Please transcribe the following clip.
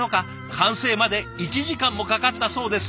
完成まで１時間もかかったそうです。